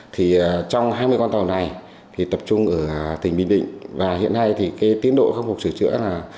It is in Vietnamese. thì trong hai mươi con tàu này thì tập trung ở tỉnh bình định và hiện nay thì cái tiến độ khắc phục sửa chữa là